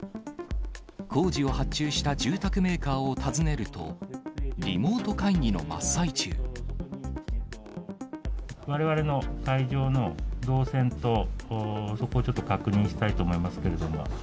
工事を発注した住宅メーカーを訪ねると、われわれの会場の動線と、そこをちょっと確認したいと思いますけれども。